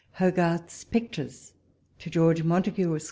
... hogahths pictures. To George Montagu, Esq.